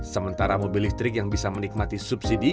sementara mobil listrik yang bisa menikmati subsidi